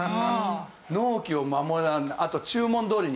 納期を守らない。